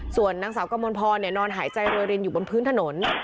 ส่วนนางสาวกมลพรนอนหายใจโรยรินอยู่บนพื้นถนน